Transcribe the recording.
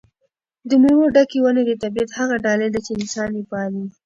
د مېوو ډکې ونې د طبیعت هغه ډالۍ ده چې انسان یې پالي.